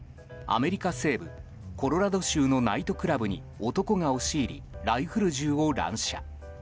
アメリカ西部コロラド州のナイトクラブに男が押し入りライフル銃を乱射。